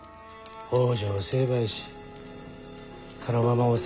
北条を成敗しそのまま治めよ。